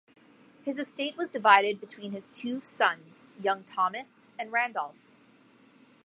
His estate was divided between his two sons, young Thomas and Randolph.